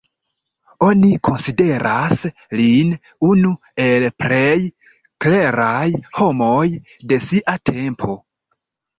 Oni konsideras lin unu el plej kleraj homoj de sia tempo.